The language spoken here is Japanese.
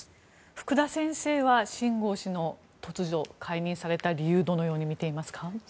福田先生はシン・ゴウ氏が突如解任された理由をどのように見ていますか？